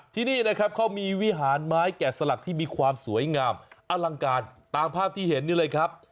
ที่นี่นะครับเขามีวิหารไม้แก่สลักที่มีความสวยงามอลังการตามภาพที่เห็นนี่เลยครับ